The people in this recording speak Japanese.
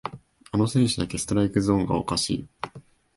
あの選手だけストライクゾーンがおかしい